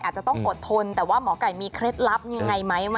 อาจจะต้องอดทนแต่ว่าหมอไก่มีเคล็ดลับยังไงไหม